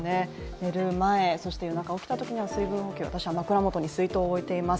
寝る前、そして夜中、起きたときには水分補給、私は枕元に水筒を置いています。